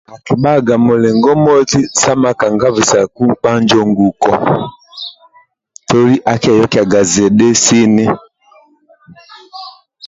Akibaga mulingo moti sa makanga bisaku mkpa njo nguko toli akyeyogiyaga zidhi sini